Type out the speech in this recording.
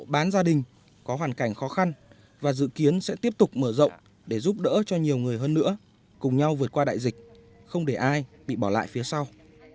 bán gia đình có hoàn cảnh khó khăn và dự kiến sẽ tiếp tục mở rộng để giúp đỡ cho nhiều người hơn nữa cùng nhau vượt qua đại dịch không để ai bị bỏ lại phía sau